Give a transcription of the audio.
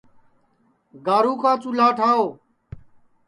گارُو کا چُولھا ٹھاوَ